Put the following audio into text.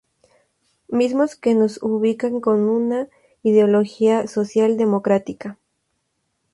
Mismos que nos ubican con una ideología social democrática.